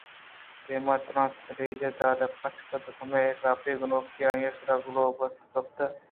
دیما ترّینت ءُسیلج ءِ درے پچ کُت کہ ہمودا اشتاپی ءُگنوکی ءَ آئی ءِ سر ے کلاہ پشت کپتگ اَت